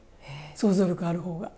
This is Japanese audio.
想像力あるほうが。